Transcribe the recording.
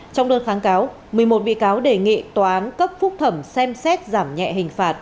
trong đơn kháng cáo một mươi một bị cáo đề nghị tòa án cấp phúc thẩm xem xét giảm nhẹ hình phạt